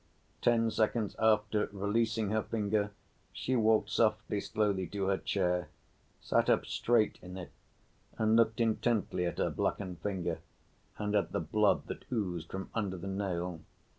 Ten seconds after, releasing her finger, she walked softly, slowly to her chair, sat up straight in it and looked intently at her blackened finger and at the blood that oozed from under the nail.